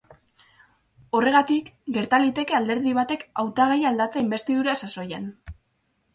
Horregatik, gerta liteke alderdi batek hautagaia aldatzea inbestidura saioan.